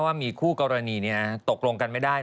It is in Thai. ว่ามีคู่กรณีตกลงกันไม่ได้